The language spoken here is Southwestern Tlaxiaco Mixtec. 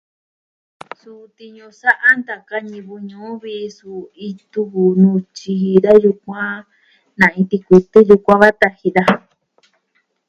Suu tiñu sa'a ntaka ñivɨ ñuu vi suu itu, vi nuu tyiji da yukuan. Na iin tikutu yukuan va taji daja.